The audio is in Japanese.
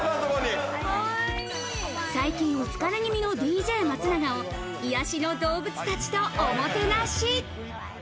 最近、お疲れ気味のＤＪ松永を癒やしの動物たちと、おもてなし。